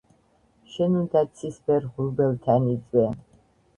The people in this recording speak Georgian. შენ უნდა ცისფერ ღრუბელთან იწვე,